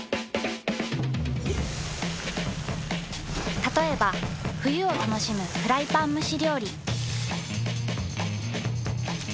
たとえば冬を楽しむフライパン蒸し料理。